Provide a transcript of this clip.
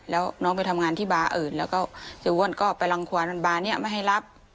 แล้วน้องไปทำงานที่บาร์อื่นแล้วก็เสียอ้วนก็ไปรังความบาร์นี้ไม่ให้รับ